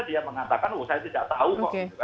dia mengatakan oh saya tidak tahu kok